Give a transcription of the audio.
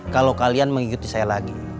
kalau kalian mengikuti saya lagi